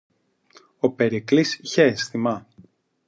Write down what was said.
Ο Περικλής είχε αίσθημα;